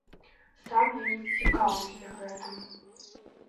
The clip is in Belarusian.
Сам я не цікаўлюся гэтым.